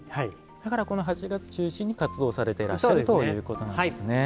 だからこの８月中心に活動をされてらっしゃるということなんですね。